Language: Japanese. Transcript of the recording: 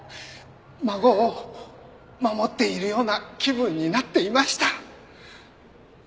孫を守っているような気分になっていました。